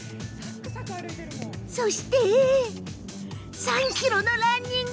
そして、３ｋｍランニング。